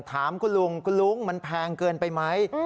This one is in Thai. ถามคุณลุงคุณลุงมันแพงเกินไปไหม